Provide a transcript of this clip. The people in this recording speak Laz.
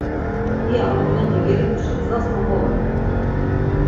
İya akolendo gelit̆uşi gzas kok̆ovargit.